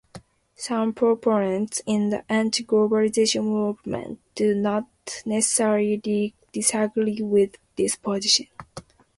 Some proponents in the "anti-globalization movement" do not necessarily disagree with this position.